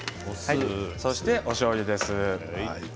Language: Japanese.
そして、おしょうゆです。